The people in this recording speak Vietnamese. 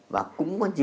và cũng có nhiều cố gắng